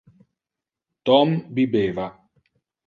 Tom bibeva.